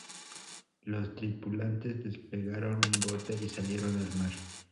Los tripulantes desplegaron un bote y salieron al mar.